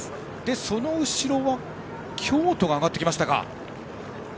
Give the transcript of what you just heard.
その後ろは京都が上がってきましたか。